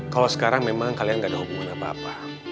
kalau sekarang memang kalian gak ada hubungan apa apa